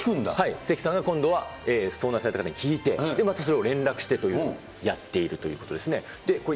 関さんが今度は、遭難された方に聞いて、で、またそれを連絡してということをやっているということですね。